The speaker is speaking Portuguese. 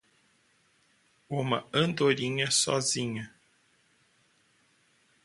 Uma andorinha sozinha n